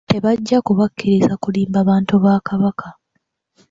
Tebajja kubakkiriza kulimba bantu ba Kabaka